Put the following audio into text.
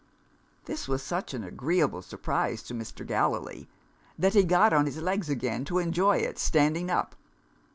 This was such an agreeable surprise to Mr. Gallilee, that he got on his legs again to enjoy it standing up.